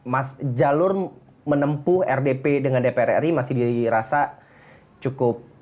mas jalur menempuh rdp dengan dpr ri masih dirasa cukup